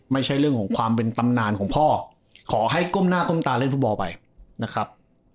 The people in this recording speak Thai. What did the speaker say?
ไม่ใช่เรื่องของความเป็นตำนานของพ่อขอให้ก้มหน้าก้มตาเล่นฟุตบอลไปนะครับ